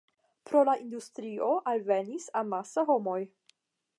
Pro la industrio alvenis amase homoj.